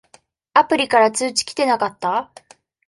アプリから通知きてなかった？